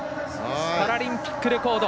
パラリンピックレコード。